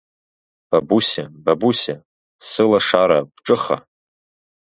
Бабусиа, Бабусиа, сылашара, бҿыха!